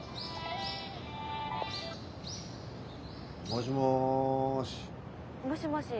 もしもし。